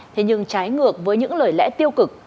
thế nhưng trái ngược với những lời lẽ tiêu cực